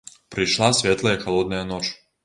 Прыйшла светлая і халодная ноч.